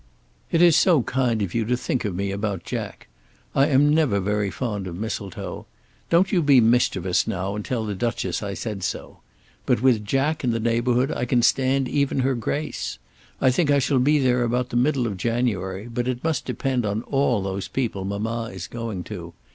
It is so kind of you to think of me about Jack. I am never very fond of Mistletoe. Don't you be mischievous now and tell the Duchess I said so. But with Jack in the neighbourhood I can stand even her Grace. I think I shall be there about the middle of January but it must depend on all those people mamma is going to.